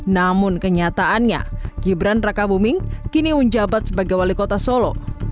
namun kenyataannya gibran raka buming kini menjabat sebagai wali kota solo